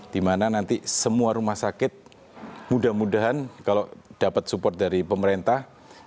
dimana nanti semua rumah sakit mudah mudahan kalau dapat support dari pemerintah